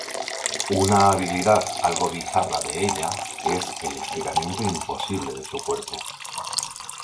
Una habilidad algo bizarra de ella es el estiramiento imposible de su cuerpo.